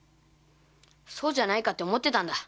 そうじゃないかと思っていたんだ。